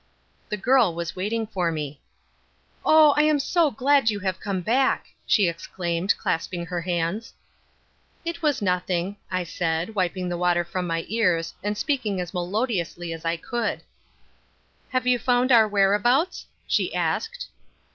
The girl was waiting for me. "Oh, I am so glad you have come back," she exclaimed, clasping her hands. "It was nothing," I said, wiping the water from my ears, and speaking as melodiously as I could. "Have you found our whereabouts?" she asked.